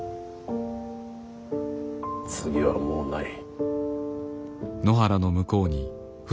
次はもうない。